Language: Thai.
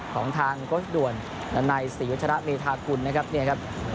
ของทางกดด่วนดันใน๔วิทยาลัยมีทากุลนะครับ